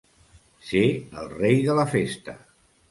Ser el rei de la festa.